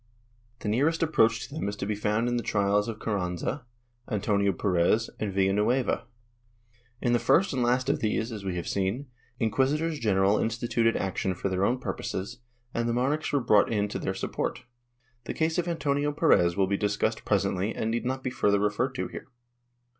The nearest approach to them is to be found in the trials of Carranza, Antonio Perez and Villanueva. In the first and last of these, as we have seen, inquisitors general instituted action for their own purposes and the monarchs were brought in to their support. The case of Antonio Perez will be discussed presently and need not be further referred to here.